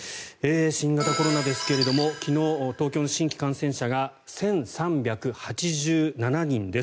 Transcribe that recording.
新型コロナですが昨日の東京新規感染者が１３８７人です。